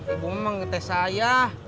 ibu memang ngetes saya